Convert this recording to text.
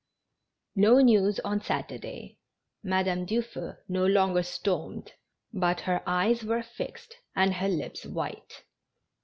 No news on Saturday. Madame Dufeu no longer stormed, but her eyes were fixed and her lips wdiite.